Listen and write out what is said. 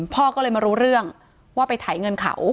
พ่อก็เลยมารู้เรื่องว่าไปถ่ายเงินเขา